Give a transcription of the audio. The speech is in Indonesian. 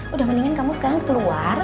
udah mendingan kamu sekarang keluar